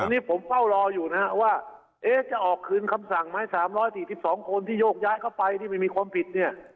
อันนี้ผมเฝ้ารออยู่นะฮะว่าจะออกคืนคำสั่งไหม๓๔๒คนที่โยกย้ายเข้าไปที่ไม่มีความผิดเนี่ย